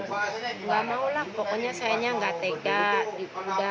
nggak mau lah pokoknya sayanya nggak tega